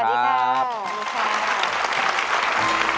สวัสดีครับ